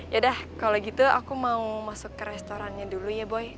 ya dah kalau gitu aku mau masuk ke restorannya dulu ya boy